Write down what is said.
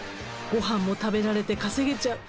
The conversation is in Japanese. ご飯も食べられて稼げちゃう。